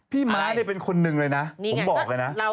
พี่ม้าอันนี้เป็นคนหนึ่งเลยนะผมบอกเลยนะ